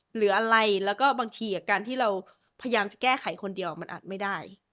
หรืออะไรแล้วก็บางทีการที่เราพยายามจะแก้ไขคนเดียวมันอาจไม่ได้